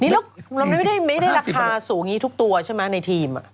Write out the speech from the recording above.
แล้วไม่ได้ราคาสูงงี้ทุกตัวใช่ไหมในทีม